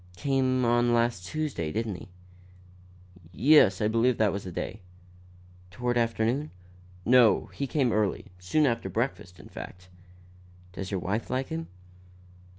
"Came on last Tuesday, didn't he?" "Yes, I believe that was the day." "Toward afternoon?" "No; he came early; soon after breakfast, in fact." "Does your wife like him?"